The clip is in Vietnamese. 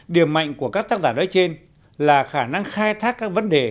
điểm mạnh của các tác giả nói trên là khả năng khai thác các vấn đề